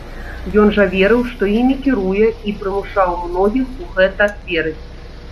Ён жа верыў, што імі кіруе, і прымушаў многіх у гэта верыць.